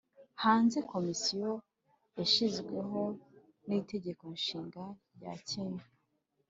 hanze Komisiyo yashyizweho n Itegeko Nshinga ryakenya